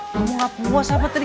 kamu gak puas sama tadi